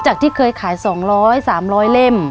ที่เคยขาย๒๐๐๓๐๐เล่ม